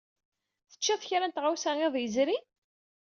Teččiḍ kra n tɣawsa iḍ yezrin?